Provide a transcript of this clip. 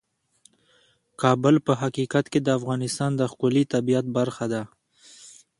کابل په حقیقت کې د افغانستان د ښکلي طبیعت برخه ده.